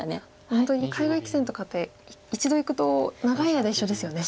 本当に海外棋戦とかって一度行くと長い間一緒ですよね。